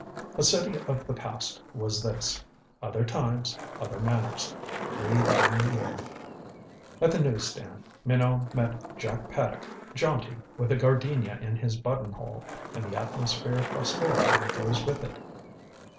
A city of the past was this; "other times, other manners" breathed in the air. At the news stand Minot met Jack Paddock, jaunty, with a gardenia in his buttonhole and the atmosphere of prosperity that goes with it.